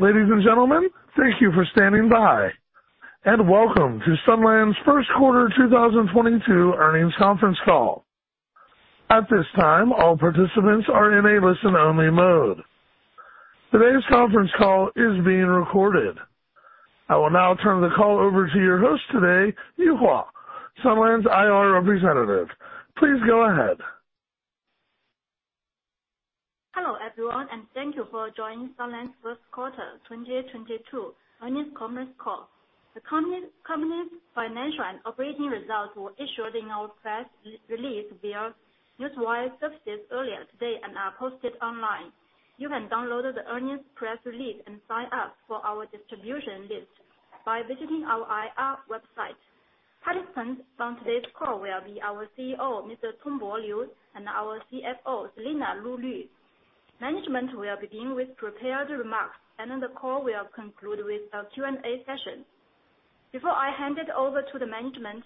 Ladies and gentlemen, thank you for standing by, and welcome to Sunlands' first quarter 2022 earnings conference call. At this time, all participants are in a listen-only mode. Today's conference call is being recorded. I will now turn the call over to your host today, Yuhua Ye, Sunlands' IR representative. Please go ahead. Hello, everyone, and thank you for joining Sunlands's first quarter 2022 earnings conference call. The company's financial operating results were issued in our press release via Newswire services earlier today and are posted online. You can download the earnings press release and sign up for our distribution list by visiting our IR website. Participants on today's call will be our CEO, Mr. Tongbo Liu, and our CFO, Selena Lu Lv. Management will begin with prepared remarks and then the call will conclude with a Q&A session. Before I hand it over to the management,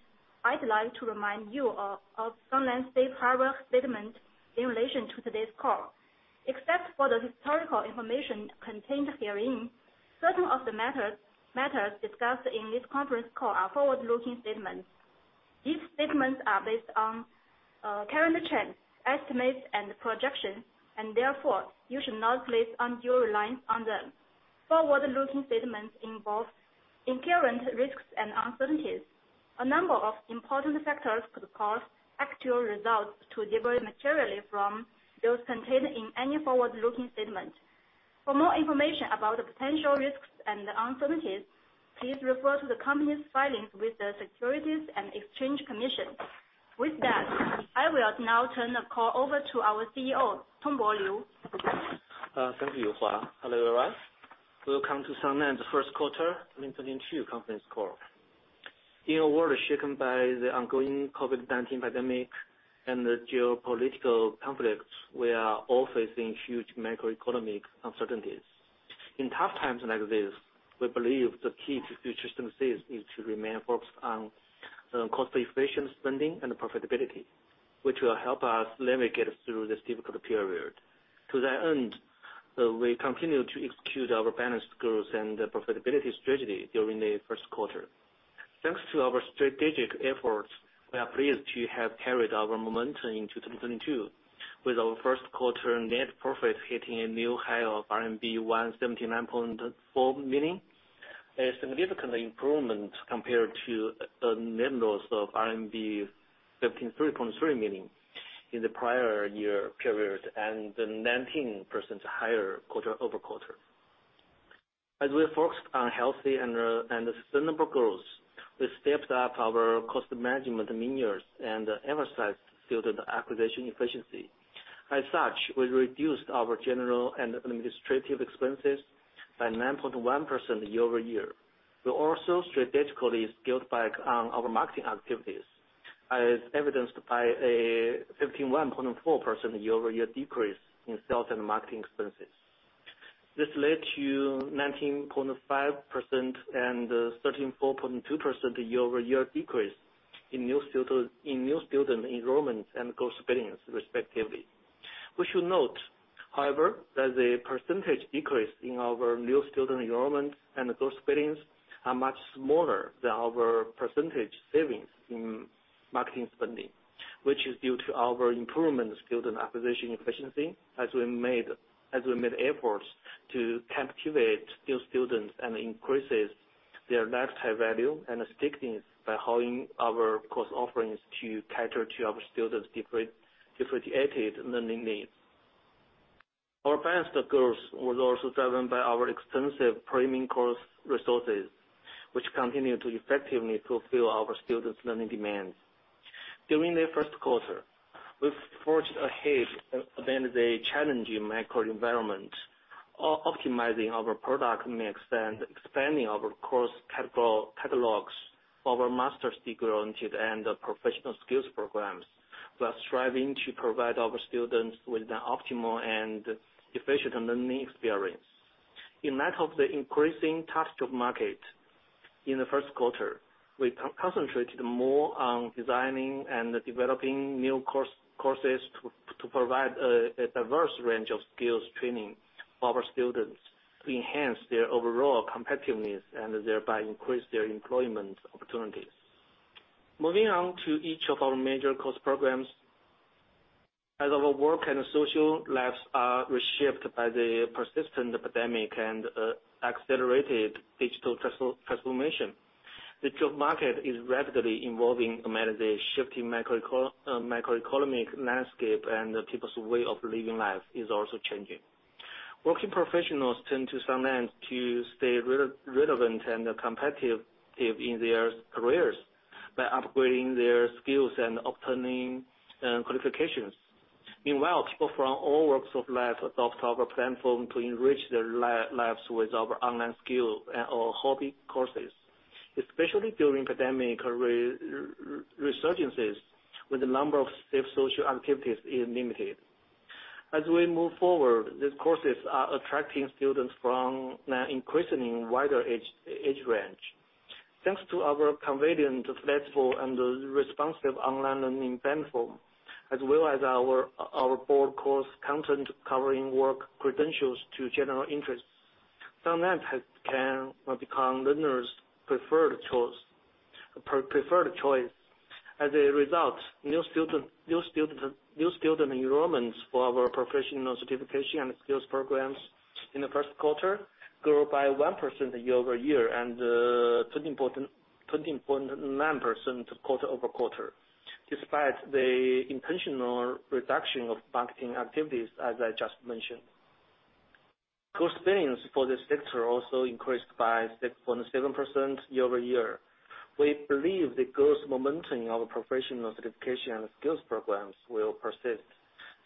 I'd like to remind you of Sunlands's safe harbor statement in relation to today's call. Except for the historical information contained herein, certain of the matters discussed in this conference call are forward-looking statements. These statements are based on current trends, estimates and projections, and therefore, you should not place undue reliance on them. Forward-looking statements involve inherent risks and uncertainties. A number of important factors could cause actual results to differ materially from those contained in any forward-looking statement. For more information about the potential risks and uncertainties, please refer to the company's filings with the Securities and Exchange Commission. With that, I will now turn the call over to our CEO, Tongbo Liu. Thank you, Yuhua. Hello, everyone. Welcome to Sunlands' first quarter 2022 conference call. In a world shaken by the ongoing COVID-19 pandemic and the geopolitical conflicts, we are all facing huge macroeconomic uncertainties. In tough times like this, we believe the key to future success is to remain focused on cost-efficient spending and profitability, which will help us navigate through this difficult period. To that end, we continue to execute our balanced growth and profitability strategy during the first quarter. Thanks to our strategic efforts, we are pleased to have carried our momentum into 2022, with our first quarter net profit hitting a new high of RMB 179.4 million, a significant improvement compared to the net loss of RMB 173.3 million in the prior year period, and 19% higher quarter-over-quarter. As we're focused on healthy and sustainable growth, we stepped up our cost management measures and emphasized student acquisition efficiency. As such, we reduced our general and administrative expenses by 9.1% year-over-year. We also strategically scaled back on our marketing activities, as evidenced by a 15.1% year-over-year decrease in sales and marketing expenses. This led to 19.5% and 13.2% year-over-year decrease in new student enrollments and course billings, respectively. We should note, however, that the percentage decrease in our new student enrollments and course billings are much smaller than our percentage savings in marketing spending, which is due to our improvement student acquisition efficiency as we made efforts to captivate new students and increases their lifetime value and stickiness by honing our course offerings to cater to our students' differentiated learning needs. Our faster growth was also driven by our extensive premium course resources, which continue to effectively fulfill our students' learning demands. During the first quarter, we've forged ahead amid the challenging macro environment, optimizing our product mix and expanding our course catalogs for our master's degree-granted and professional skills programs. We are striving to provide our students with an optimal and efficient learning experience. In light of the increasingly tough job market in the first quarter, we concentrated more on designing and developing new courses to provide a diverse range of skills training for our students to enhance their overall competitiveness and thereby increase their employment opportunities. Moving on to each of our major course programs. As our work and social lives are reshaped by the persistent epidemic and accelerated digital transformation, the job market is rapidly evolving amid the shifting macroeconomic landscape, and people's way of living life is also changing. Working professionals turn to Sunlands to stay relevant and competitive in their careers by upgrading their skills and obtaining qualifications. Meanwhile, people from all walks of life adopt our platform to enrich their lives with our online skill or hobby courses, especially during pandemic resurgences when the number of safe social activities is limited. As we move forward, these courses are attracting students from an increasingly wider age range. Thanks to our convenient, flexible and responsive online learning platform, as well as our broad course content covering work credentials to general interests, Sunlands can become learners' preferred choice. As a result, new student enrollments for our professional certification and skills programs in the first quarter grew by 1% year-over-year and 20.9% quarter-over-quarter, despite the intentional reduction of marketing activities, as I just mentioned. Course billings for this sector also increased by 6.7% year-over-year. We believe the growth momentum of professional certification and skills programs will persist,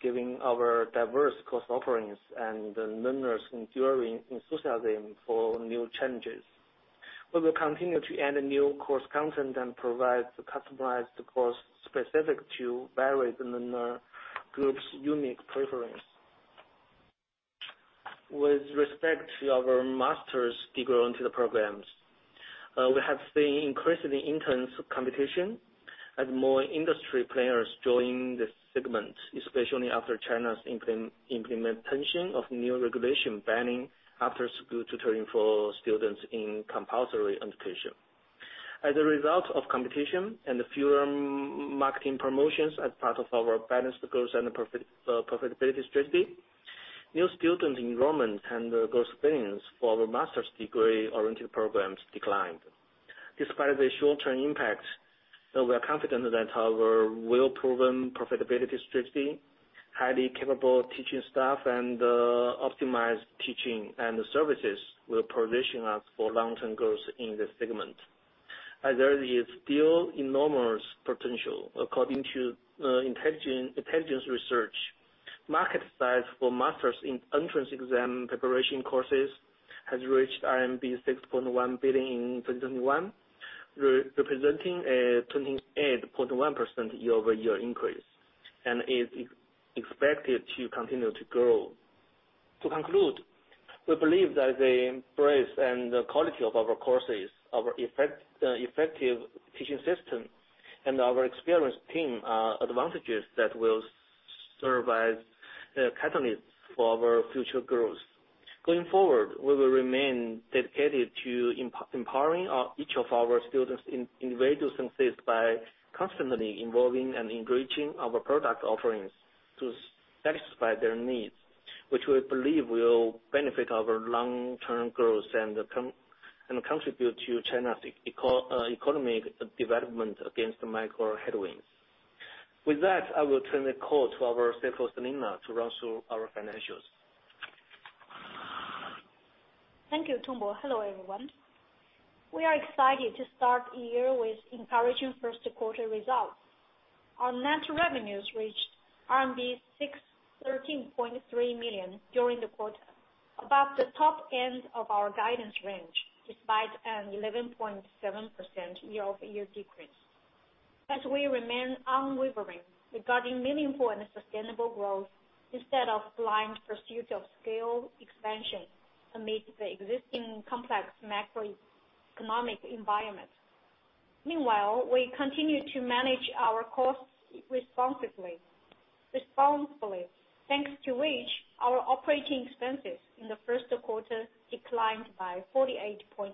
giving our diverse course offerings and learners' enduring enthusiasm for new challenges. We will continue to add new course content and provide customized course specific to varied learner groups' unique preference. With respect to our master's degree-oriented programs, we have seen increasingly intense competition as more industry players join this segment, especially after China's implementation of new regulation banning after-school tutoring for students in compulsory education. As a result of competition and fewer marketing promotions as part of our balanced growth and profitability strategy, new student enrollment and gross billings for master's degree-oriented programs declined. Despite the short-term impact, we are confident that our well-proven profitability strategy, highly capable teaching staff, and optimized teaching and services will position us for long-term growth in this segment. As there is still enormous potential according to intelligence research. Market size for master's entrance exam preparation courses has reached RMB 6.1 billion in 2021, representing a 28.1% year-over-year increase, and is expected to continue to grow. To conclude, we believe that the embrace and the quality of our courses, our effective teaching system, and our experienced team, are advantages that will serve as catalysts for our future growth. Going forward, we will remain dedicated to empowering each of our students in various senses by constantly involving and enriching our product offerings to satisfy their needs, which we believe will benefit our long-term growth and contribute to China's economic development against macro headwinds. With that, I will turn the call to our CFO, Selena, to run through our financials. Thank you, Tongbo. Hello, everyone. We are excited to start the year with encouraging first quarter results. Our net revenues reached RMB 613.3 million during the quarter, above the top end of our guidance range, despite an 11.7% year-over-year decrease. As we remain unwavering regarding meaningful and sustainable growth instead of blind pursuit of scale expansion amidst the existing complex macroeconomic environment. Meanwhile, we continue to manage our costs responsively, responsibly, thanks to which our operating expenses in the first quarter declined by 48.1%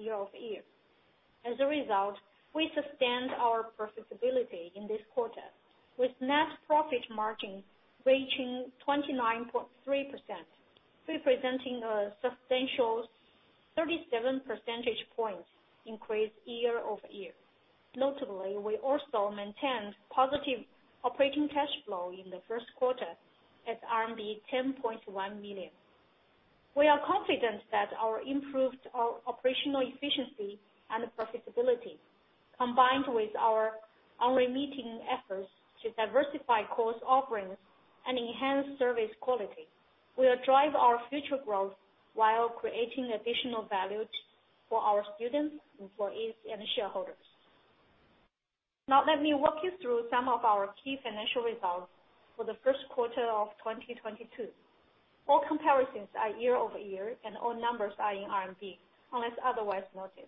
year-over-year. As a result, we sustained our profitability in this quarter, with net profit margin reaching 29.3%, representing a substantial 37 percentage points increase year-over-year. Notably, we also maintained positive operating cash flow in the first quarter at RMB 10.1 million. We are confident that our improved operational efficiency and profitability, combined with our unremitting efforts to diversify course offerings and enhance service quality, will drive our future growth while creating additional value for our students, employees, and shareholders. Now, let me walk you through some of our key financial results for the first quarter of 2022. All comparisons are year-over-year, and all numbers are in RMB, unless otherwise noted.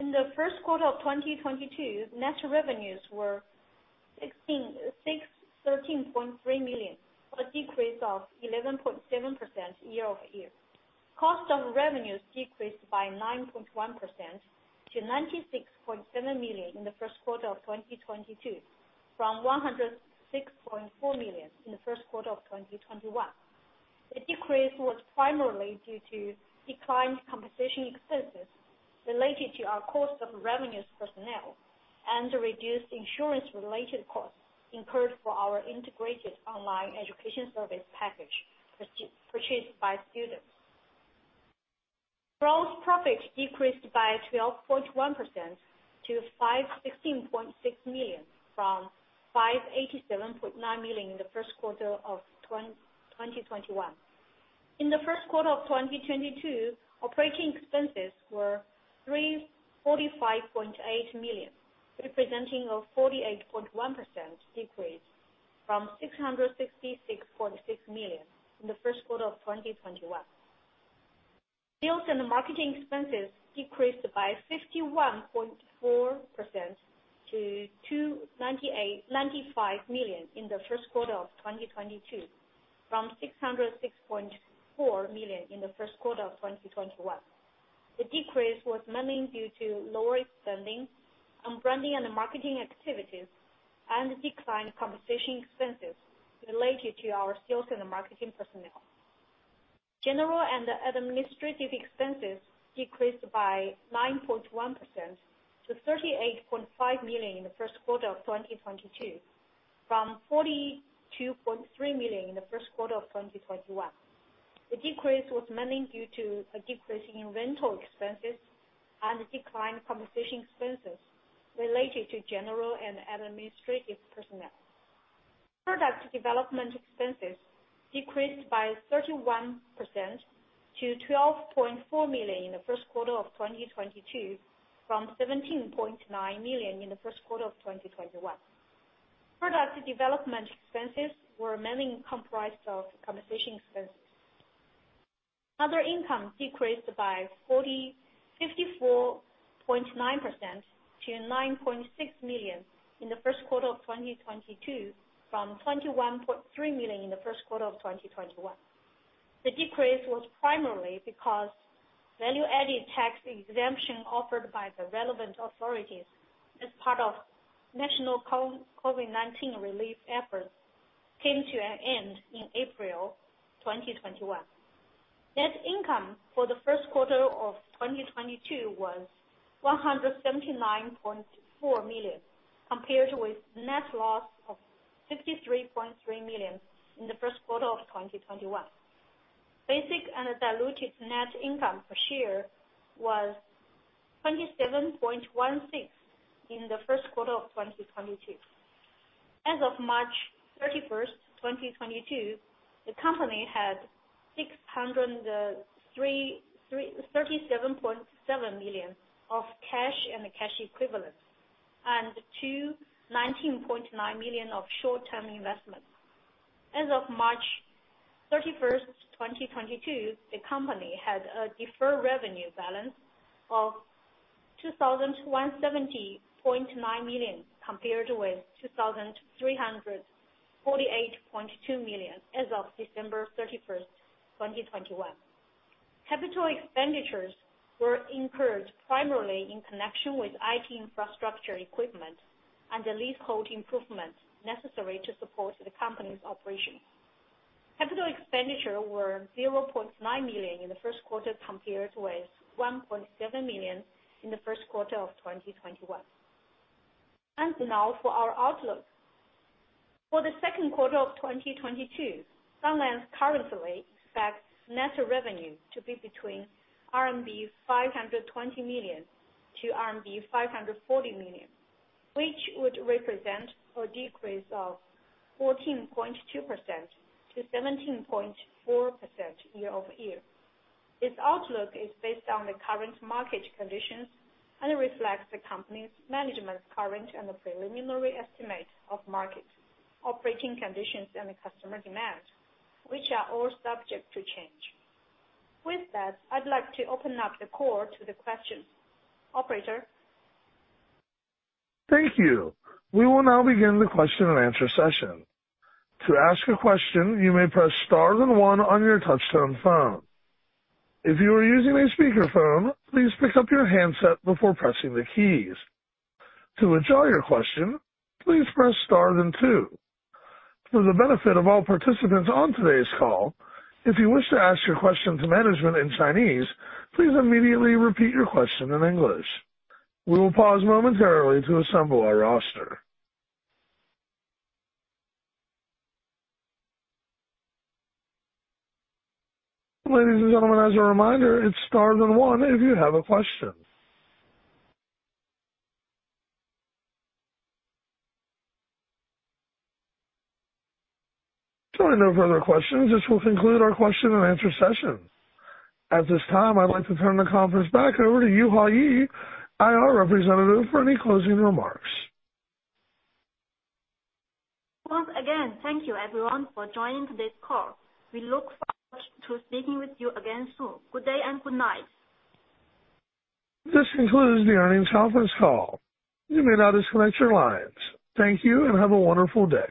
In the first quarter of 2022, net revenues were 161.3 million, a decrease of 11.7% year-over-year. Cost of revenues decreased by 9.1% to 96.7 million in the first quarter of 2022, from 106.4 million in the first quarter of 2021. The decrease was primarily due to declined compensation expenses related to our cost of revenues personnel and reduced insurance-related costs incurred for our integrated online education service package purchased by students. Gross profit decreased by 12.1% to 516.6 million from 587.9 million in the first quarter of 2021. In the first quarter of 2022, operating expenses were 345.8 million, representing a 48.1% decrease from 666.6 million in the first quarter of 2021. Sales and marketing expenses decreased by 51.4% to 295 million in the first quarter of 2022, from 606.4 million in the first quarter of 2021. The decrease was mainly due to lower spending on branding and marketing activities and declined compensation expenses related to our sales and marketing personnel. General and administrative expenses decreased by 9.1% to 38.5 million in the first quarter of 2022, from 42.3 million in the first quarter of 2021. The decrease was mainly due to a decrease in rental expenses and declined compensation expenses related to general and administrative personnel. Product development expenses decreased by 31% to 12.4 million in the first quarter of 2022, from 17.9 million in the first quarter of 2021. Product development expenses were mainly comprised of compensation expenses. Other income decreased by 54.9% to 9.6 million in the first quarter of 2022, from 21.3 million in the first quarter of 2021. The decrease was primarily because value-added tax exemption offered by the relevant authorities as part of national COVID-19 relief efforts came to an end in April 2021. Net income for the first quarter of 2022 was 179.4 million, compared with net loss of 63.3 million in the first quarter of 2021. Basic and diluted net income per share was 27.16 in the first quarter of 2022. As of March 31, 2022, the company had 633.7 million of cash and cash equivalents and 219.9 million of short-term investments. As of March 31, 2022, the company had a deferred revenue balance of 2,170.9 million, compared with 2,348.2 million as of December 31, 2021. Capital expenditures were incurred primarily in connection with IT infrastructure equipment and the leasehold improvements necessary to support the company's operations. Capital expenditures were 0.9 million in the first quarter, compared with 1.7 million in the first quarter of 2021. Now for our outlook. For the second quarter of 2022, Sunlands currently expects net revenue to be between 520 million-540 million RMB, which would represent a decrease of 14.2-17.4% year-over-year. This outlook is based on the current market conditions and reflects the company's management's current and the preliminary estimate of market operating conditions and the customer demand, which are all subject to change. With that, I'd like to open up the call to the questions. Operator? Thank you. We will now begin the question and answer session. To ask a question, you may press star then one on your touchtone phone. If you are using a speakerphone, please pick up your handset before pressing the keys. To withdraw your question, please press star then two. For the benefit of all participants on today's call, if you wish to ask your question to management in Chinese, please immediately repeat your question in English. We will pause momentarily to assemble our roster. Ladies and gentlemen, as a reminder, it's star then one if you have a question. Seeing no further questions, this will conclude our question and answer session. At this time, I'd like to turn the conference back over to Yuhua Ye, IR Representative, for any closing remarks. Once again, thank you everyone for joining today's call. We look forward to speaking with you again soon. Good day and good night. This concludes the earnings conference call. You may now disconnect your lines. Thank you and have a wonderful day.